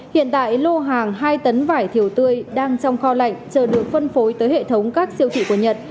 hiện tại lô hàng hai tấn vải thiều tươi đang trong kho lạnh chờ được phân phối tới hệ thống các siêu thị của nhật